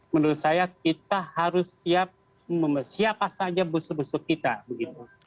menurut saya kita harus siap siapa saja busuk busuk kita begitu